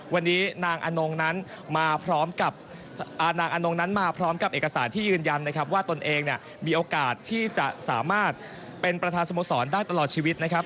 วันนี้นางอนงนั้นมาพร้อมกับนางอนงนั้นมาพร้อมกับเอกสารที่ยืนยันนะครับว่าตนเองเนี่ยมีโอกาสที่จะสามารถเป็นประธานสโมสรได้ตลอดชีวิตนะครับ